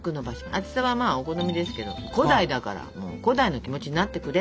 厚さはまあお好みですけど古代だからもう古代の気持ちになってくれって感じ。